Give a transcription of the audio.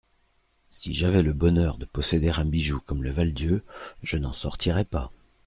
Si j'avais le bonheur de posséder un bijou comme le Val-Dieu, je n'en sortirais pas.